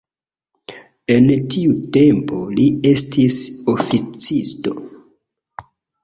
En tiu tempo li estis oficisto.